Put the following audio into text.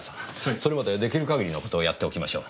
それまで出来る限りのことをやっておきましょう。